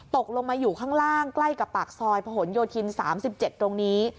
ตกลงมาอยู่ข้างล่างใกล้กับปากซอยผนโยธิน๓๗ตรงนี้